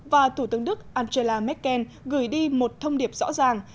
và thủ tướng đức angela merkel gửi đi một thông điệp rõ ràng